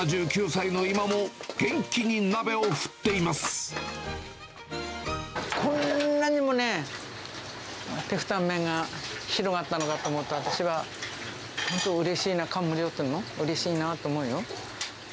７９歳の今も、元気に鍋を振ってこんなにもね、テフタンメンが広がったのかと思うと、私は本当うれしいな、感無量っていうの、うれしいなと思うよ。